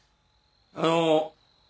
あの。